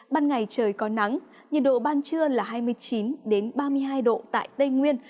ban ngày trời có nắng nhiệt độ ban trưa là hai mươi chín ba mươi hai độ tại tây nguyên